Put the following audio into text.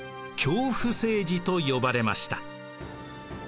恐怖政治と呼ばれました。